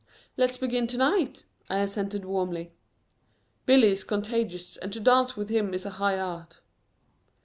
"Let's begin to night," I assented warmly. Billy is contagious and to dance with him is a high art.